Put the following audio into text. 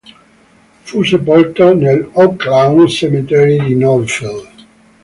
Fu sepolto nell'Oaklawn Cemetery di Northfield.